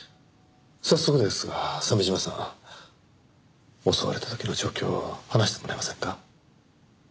早速ですが鮫島さん襲われた時の状況を話してもらえませんか？